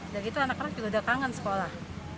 dan itu anak anak juga udah kangen sekolah